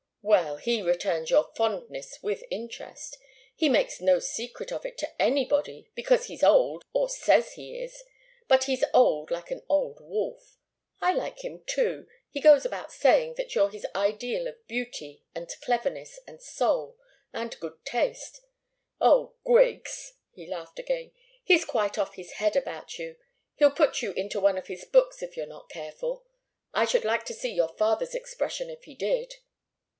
"Well he returns your fondness with interest. He makes no secret of it to anybody, because he's old, or says he is, but he's old like an old wolf. I like him, too. He goes about saying that you're his ideal of beauty and cleverness and soul and good taste. Oh, Griggs!" He laughed again. "He's quite off his head about you! He'll put you into one of his books if you're not careful. I should like to see your father's expression if he did."